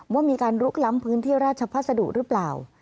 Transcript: ว่ามีการลุกล้ำพื้นที่ราชพัสดุหรือเปล่า